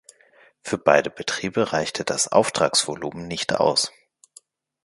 Für beide Betriebe reichte das Auftragsvolumen nicht aus.